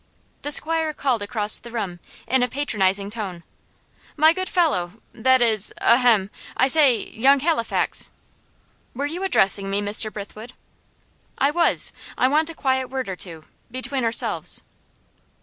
The 'squire called across the room, in a patronising tone: "My good fellow that is, ahem! I say, young Halifax?" "Were you addressing me, Mr. Brithwood?" "I was. I want a quiet word or two between ourselves."